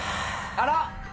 あら？